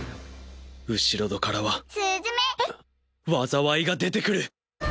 後ろ戸からは災いが出てくる。